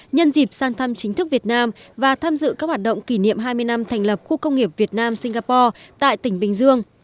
nhân dịp sang thăm chính thức việt nam và tham dự các hoạt động kỷ niệm hai mươi năm thành lập khu công nghiệp việt nam singapore tại tỉnh bình dương